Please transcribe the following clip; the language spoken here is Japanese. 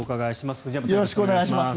よろしくお願いします。